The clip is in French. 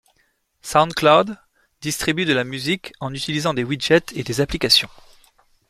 SoundCloud distribue de la musique en utilisant des widgets et des applications.